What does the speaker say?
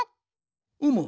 うむ。